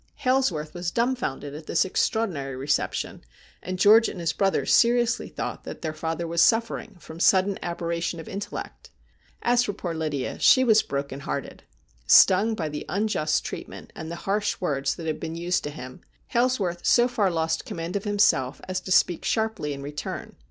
Hailsworth was dumfoundered at this extraordinary re ception, and George and his brother seriously thought that their father was suffering from sudden aberration of intellect. As for poor Lydia, she was broken hearted. Stung by the unjust treatment, and the harsh words that had been used to him, Hailsworth so far lost command of himself as to speak sharply in return.